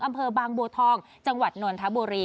อำเภอบางบัวทองจังหวัดนนทบุรี